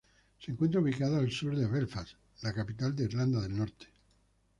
Se encuentra ubicada al sur de Belfast, la capital de Irlanda del Norte.